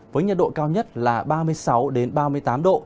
với nhiệt độ cao nhất là ba mươi sáu ba mươi tám độ